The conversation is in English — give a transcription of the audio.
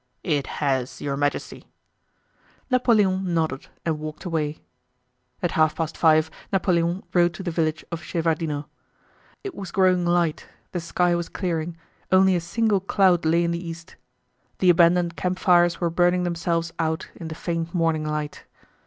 "It has, Your Majesty." Napoleon nodded and walked away. At half past five Napoleon rode to the village of Shevárdino. It was growing light, the sky was clearing, only a single cloud lay in the east. The abandoned campfires were burning themselves out in the faint morning light.